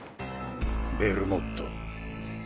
ベルモット。